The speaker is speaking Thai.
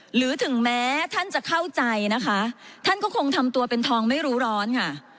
หรือถึงแม้ท่านจะเข้าใจนะคะท่านก็คงทำตัวเป็นทองไม่รู้ร้อนค่ะ